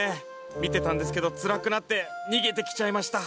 見てたんですけどつらくなって逃げてきちゃいました。